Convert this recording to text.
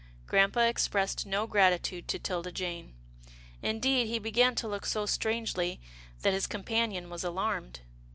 Grampa expressed no gratitude to 'Tilda Jane. Indeed, he began to look so strangely that his com panion was alarmed.